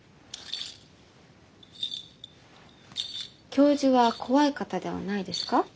教授は怖い方ではないですか？